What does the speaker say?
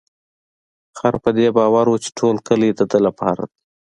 خر په دې باور و چې ټول کلي د ده لپاره دی.